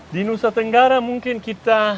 di nusa tenggara mungkin kita